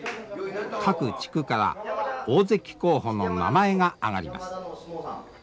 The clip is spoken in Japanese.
各地区から大関候補の名前が挙がります。